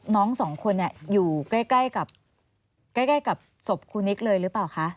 น้องสองคนอยู่ใกล้กับศพครูนิกเลยหรือเปล่าคะ